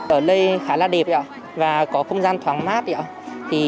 ở đây khá là đẹp và có không gian thoáng mát